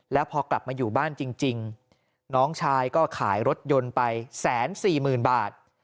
แล้วพอกลับมาอยู่บ้านจริงน้องชายก็ขายรถยนต์ไป๑๔๐๐๐บาท